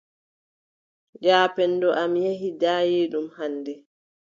Yaapenndo am yehi daayiiɗum hannde.